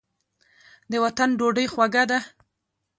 د وطن ډوډۍ خوږه ده.